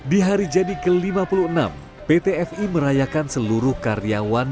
di hari jadi ke lima puluh enam pt fi merayakan seluruh karyawan